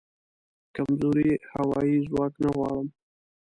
کمزوری هوایې ځواک نه غواړم